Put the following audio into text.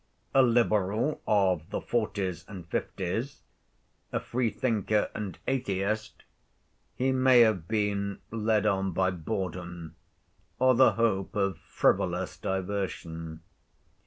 A Liberal of the forties and fifties, a freethinker and atheist, he may have been led on by boredom or the hope of frivolous diversion.